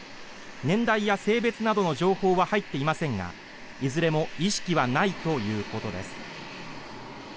年代や性別などの情報は入っていませんがいずれも意識はないということです。